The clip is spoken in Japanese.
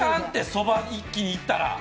そば一気にいったら。